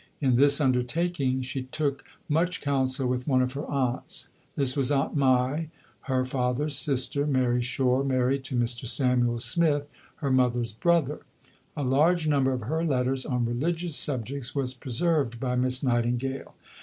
In this undertaking she took much counsel with one of her aunts. This was "Aunt Mai," her father's sister, Mary Shore, married to Mr. Samuel Smith, her mother's brother. A large number of her letters on religious subjects was preserved by Miss Nightingale.